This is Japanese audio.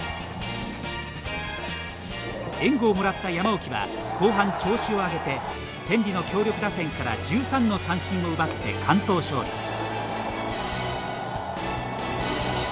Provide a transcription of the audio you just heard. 援護をもらった山沖は後半調子を上げて天理の強力打線から１３の三振を奪って完投勝利。